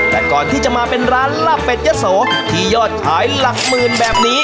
แต่ก่อนที่จะมาเป็นร้านลาบเป็ดยะโสที่ยอดขายหลักหมื่นแบบนี้